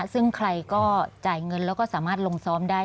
ซึ่งใครก็จ่ายเงินแล้วก็สามารถลงซ้อมได้